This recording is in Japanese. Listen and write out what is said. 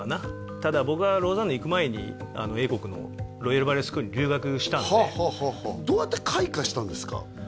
ただ僕はローザンヌ行く前に英国のロイヤル・バレエ・スクールに留学したんではあはあはあはあどうやって開花したんですか？